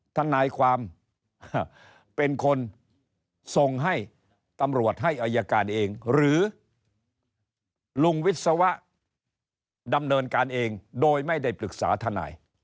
ทนายความเป็นคนส่งให้ตำรวจให้อายการเองหรือลุงวิศวะดำเนินการเองโดยไม่ได้ปรึกษาทนาย